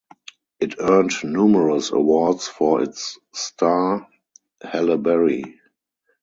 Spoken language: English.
It earned numerous awards for its star, Halle Berry.